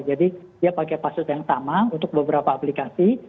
jadi dia pakai data dasar yang sama untuk beberapa aplikasi